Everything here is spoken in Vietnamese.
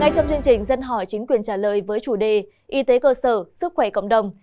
trong chương trình dân hỏi chính quyền trả lời với chủ đề y tế cơ sở sức khỏe cộng đồng